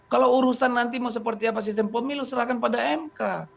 kalau urusan nanti mau seperti apa sistem pemilu serahkan pada mk